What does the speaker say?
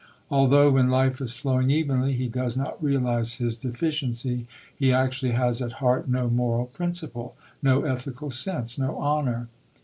Although, when life is flowing evenly, he does not realise his deficiency, he actually has at heart no moral principle, no ethical sense, no honour.